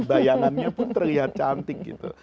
bayangannya pun terlihat cantik gitu